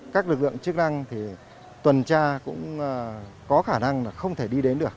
các lực lượng chức năng tuần tra cũng có khả năng không thể đi đến được